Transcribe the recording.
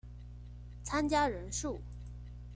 參加人數